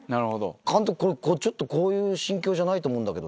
監督、これ、ちょっとこういう心境じゃないと思うんだけど。